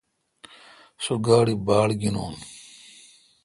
سو کاری باڑ گینون۔